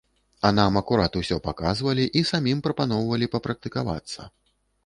А нам акурат усё паказвалі і самім прапаноўвалі папрактыкавацца!